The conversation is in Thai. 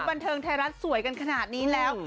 บันเทิงไทยรัฐสวยกันขนาดนี้แล้ว